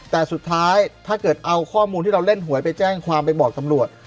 แต่สุดท้ายถ้าเกิดเอาข้อมูลที่เราเล่นหวยไปแจ้งความไปบอกตำรวจ